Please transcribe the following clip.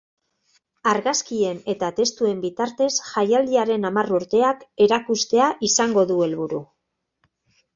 Argazkien eta testuen bitartez jaialdiaren hamar urteak erakustea izango du helburu.